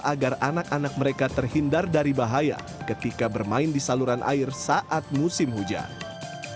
agar anak anak mereka terhindar dari bahaya ketika bermain di saluran air saat musim hujan